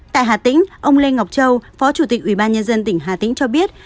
tại hà tĩnh ông lê ngọc châu phó chủ tịch ủy ban nhân dân tỉnh hà tĩnh cho biết